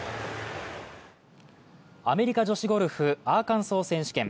アメリカ女子ゴルフ、アーカンソー選手権。